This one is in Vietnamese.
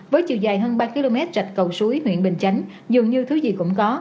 với chiều dài hơn ba km rạch cầu suối huyện bình chánh dường như thứ gì cũng có